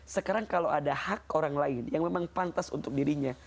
sekarang kalau ada hak orang lain yang memang pantas untuk dirinya